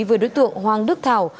với đối tượng hoàng đức thảo